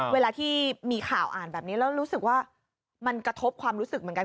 เวลาที่มีข่าวอ่านแบบนี้แล้วรู้สึกว่ามันกระทบความรู้สึกเหมือนกัน